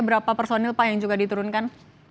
berapa personil pak yang juga diturunkan